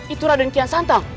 itu raden kian santan